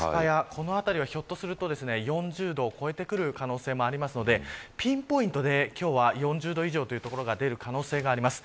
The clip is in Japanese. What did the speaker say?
この辺りは、ひょっとすると４０度を超えてくる可能性もありますのでピンポイントで今日は４０度以上という所が出る可能性があります。